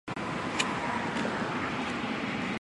希斯一生都演奏现代爵士四重奏。